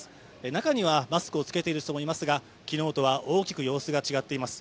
中にはマスクを着けている人もいますが、昨日とは大きく様子が違っています。